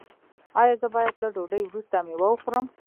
ایا زه باید له ډوډۍ وروسته میوه وخورم؟